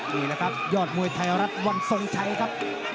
นี่แหละครับยอดมวยไทยรัฐวันทรงชัยครับ